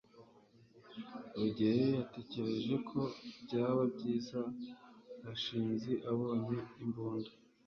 rugeyo yatekereje ko byaba byiza gashinzi abonye imbunda